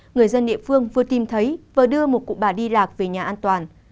người dân địa phương vừa tìm thấy vừa đưa một cụ bà đi lạc về nhà an toàn